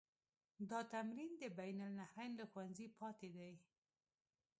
دا تمرین د بین النهرین له ښوونځي پاتې دی.